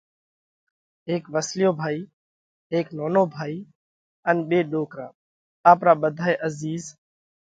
هيڪ وسليو ڀائِي، هيڪ نونو ڀائِي ان ٻي ڏوڪرا آپرا ٻڌائِي عزِيز،